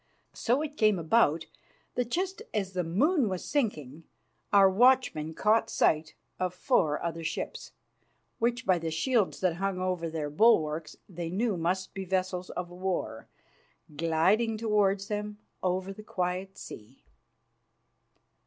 So it came about that just as the moon was sinking our watchmen caught sight of four other ships, which by the shields that hung over their bulwarks they knew must be vessels of war, gliding towards them over the quiet sea.